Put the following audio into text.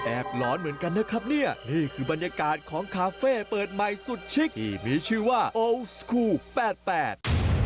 หลอนเหมือนกันนะครับเนี่ยนี่คือบรรยากาศของคาเฟ่เปิดใหม่สุดชิคที่มีชื่อว่าโอสคูลแปดแปด